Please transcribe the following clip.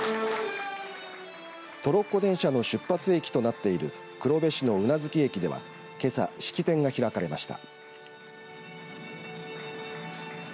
トロッコ電車の出発駅となっている黒部市の宇奈月駅ではけさ、式典が開かれました。